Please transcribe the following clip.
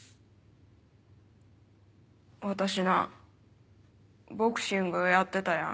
私なボクシングやってたやん。